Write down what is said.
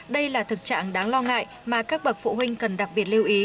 đây là thực trạng đáng lo ngại mà các bậc phụ huynh cần đặc biệt lưu ý